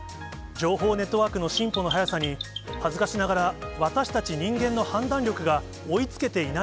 情報ネットワークの進歩の速さに、恥ずかしながら、私たち人間の判断力が追いつけていない